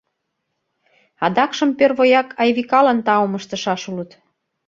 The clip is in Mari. Адакшым первояк Айвикалан таум ыштышаш улыт.